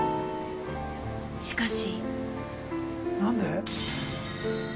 しかし。